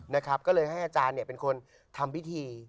นะครับก็เลยให้อาจารย์เนี่ยเป็นคนทำพิธี